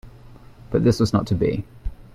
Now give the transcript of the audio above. But this was not to be.